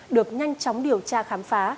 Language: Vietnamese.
được nhanh chóng điều tra khám phá